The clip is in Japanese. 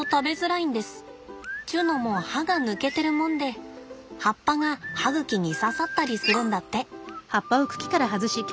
ちゅうのも歯が抜けてるもんで葉っぱが歯茎に刺さったりするんだって。